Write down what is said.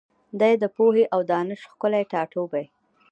دی د پوهي او دانش ښکلی ټاټوبی